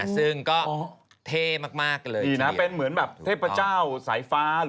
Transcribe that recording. ซึ่งก็เท่มากเลย